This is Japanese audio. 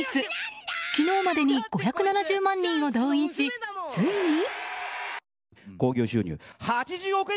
昨日までに５７０万人を動員しついに。